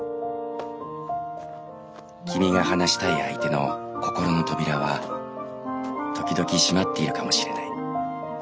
「君が話したい相手の心の扉は時々閉まっているかもしれない。